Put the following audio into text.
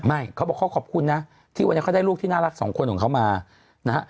เขาบอกเขาขอบคุณนะที่วันนี้เขาได้ลูกที่น่ารักสองคนของเขามานะฮะ